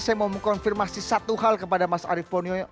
saya mau mengkonfirmasi satu hal kepada mas arief ponio